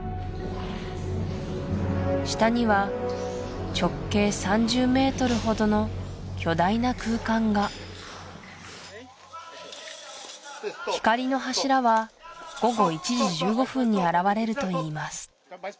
下には直径３０ｍほどの巨大な空間が光の柱は午後１時１５分に現れるといいます